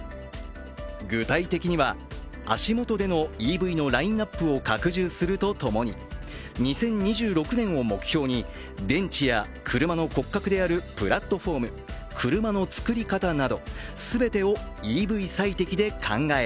具体的には、足元でのＥＶのラインナップを拡充すると共に２０２６年を目標に電池や車の骨格であるプラットフォーム、車の作り方など全てをＥＶ最適で考え